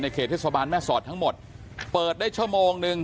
เขตเทศบาลแม่สอดทั้งหมดเปิดได้ชั่วโมงนึง